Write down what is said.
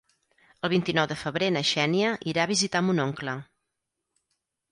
El vint-i-nou de febrer na Xènia irà a visitar mon oncle.